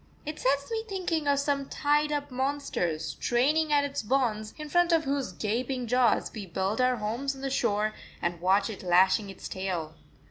It sets me thinking of some tied up monster straining at its bonds, in front of whose gaping jaws we build our homes on the shore and watch it lashing its tail.